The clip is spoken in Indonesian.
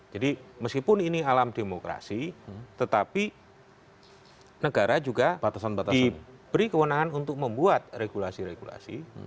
jadi meskipun ini alam demokrasi tetapi negara juga diberi kewenangan untuk membuat regulasi regulasi